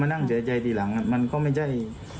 มานั่งเศร้าใจที่หลังค่ะมันก็ไม่ใช่